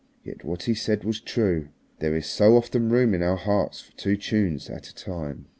Yet what he said was true. There is so often room in our hearts for two tunes at a time.